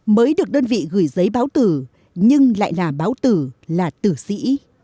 mới được đơn vị gửi giấy báo tử nhưng lại là báo tử là tử sĩ